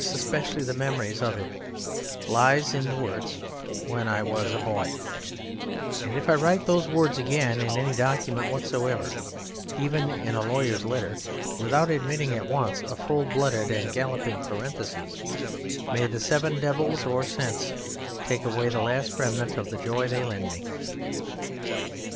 especially the memory of It, lies in the words "When I was a boy," and if I write those words again in any document whatsoever, even in a lawyer's letter, without admitting at once a full blooded and galloping parenthesis, may the Seven Devils of Sense take away the last remnant of the joy they lend me.